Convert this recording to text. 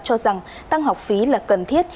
cho rằng tăng học phí là cần thiết